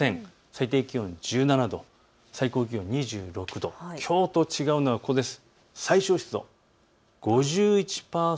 最低気温１７度、最高気温２６度ときょうと違うのはここです。